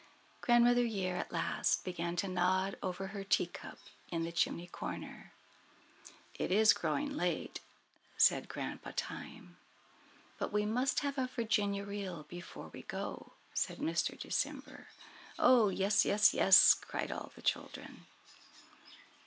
Grandmother Year at last began to nod over her teacup in the chimney corner. "It is growing late," said Grandpa Time. "But we must have a Virginia Reel before we go," said Mr. December. "Oh, yes, yes!" cried all the children.